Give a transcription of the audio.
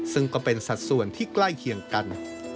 ซึ่งก็เป็นสัดส่วนที่ใกล้เคียงกัน